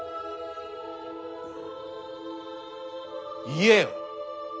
言えよ！